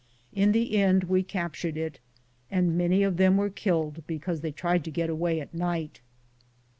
In the end we captured it, and many of them were killed because they tried to get away at night.